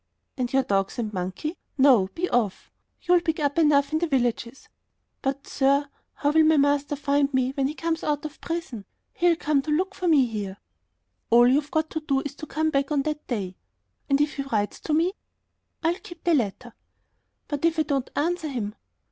"And your dogs and monkey! No, be off! You'll pick up enough in the villages." "But, sir, how will my master find me when he comes out of prison? He'll come to look for me here." "All you've got to do is to come back on that day." "And if he writes to me?" "I'll keep the letter." "But if I don't answer him?..."